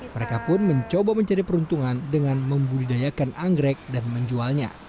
mereka pun mencoba mencari peruntungan dengan membudidayakan anggrek dan menjualnya